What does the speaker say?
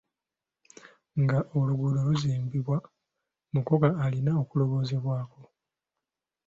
Nga oluguudo luzimbibwa mukoka alina okulowoozebwako.